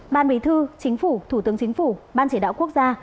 ban bí thư chính phủ thủ tướng chính phủ ban chỉ đạo quốc gia